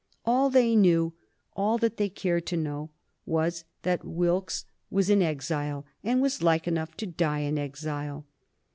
All they knew, all that they cared to know, was that Wilkes was in exile, and was like enough to die in exile.